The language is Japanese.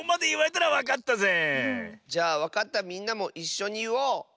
じゃあわかったみんなもいっしょにいおう！